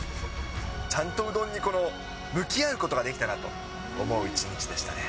ちゃんとうどんに向き合うことができたなと思う一日でしたね。